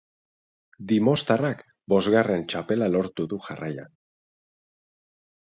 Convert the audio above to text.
Dimoztarrak bostgarren txapela lortu du jarraian.